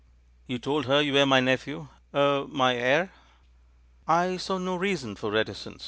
"You told her you were my nephew, eh — ^my heir?" "I saw no reason for reticence.